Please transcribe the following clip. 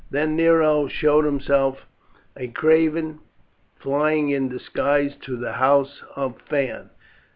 Then Nero showed himself a craven, flying in disguise to the house of Phaon.